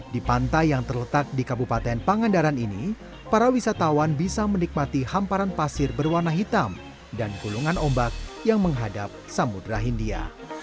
di pantai yang terletak di kabupaten pangandaran ini para wisatawan bisa menikmati hamparan pasir berwarna hitam dan gulungan ombak yang menghadap samudera hindia